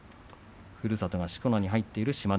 ふるさとがしこ名に入っている志摩ノ